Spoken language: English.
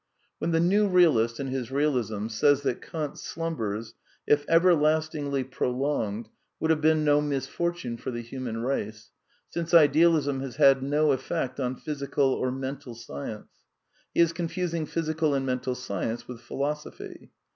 When the new realist in his realism says that Kant's slumbers, if everlastingly prolonged, would have been no misfortune for the human race, since Idealism has had no effect on physical or mental science,^ N he is confusing physical and mental science with phi gr ^^ losophy.